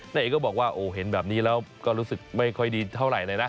เอกก็บอกว่าโอ้เห็นแบบนี้แล้วก็รู้สึกไม่ค่อยดีเท่าไหร่เลยนะ